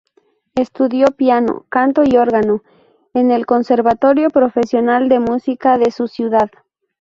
Estudió piano, canto y órgano en el Conservatorio Profesional de Música de su ciudad.